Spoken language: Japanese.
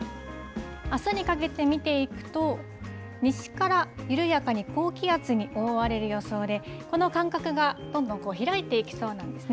あすにかけて見ていくと、西から緩やかに高気圧に覆われる予想で、この間隔が、どんどん開いていきそうなんですね。